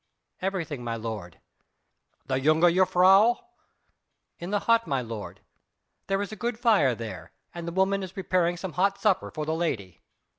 "Everything, my lord." "The jongejuffrouw?..." "In the hut, my lord. There is a good fire there and the woman is preparing some hot supper for the lady."